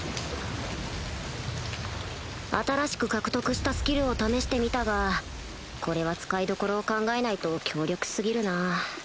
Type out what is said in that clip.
新しく獲得したスキルを試してみたがこれは使いどころを考えないと強力過ぎるな